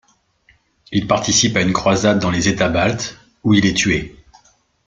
Il participe à une croisade dans les États baltes où il est tué.